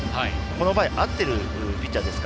この場合は合っているピッチャーです。